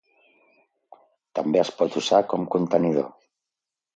També es pot usar com contenidor.